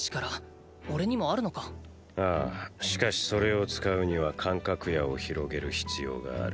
しかしそれを使うには感覚野を広げる必要がある。